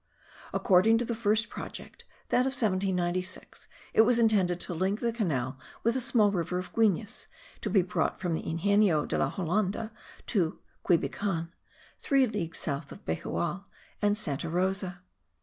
According to the first project, that of 1796, it was intended to link the canal with the small river of Guines, to be brought from the Ingenio de la Holanda to Quibican, three leagues south of Bejucal and Santa Rosa.